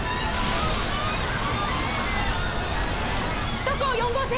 首都高４号線